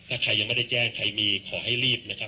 ถ้าใครยังไม่ได้แจ้งใครมีขอให้รีบนะครับ